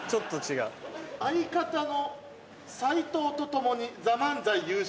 「相方の斉藤と供にＴｈｅＭＡＮＺＡＩ優勝」。